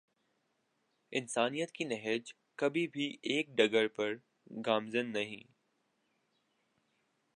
انسانیت کی نہج کبھی بھی ایک ڈگر پر گامزن نہیں